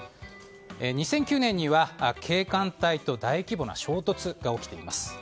２００９年には警官隊と大規模な衝突が起きています。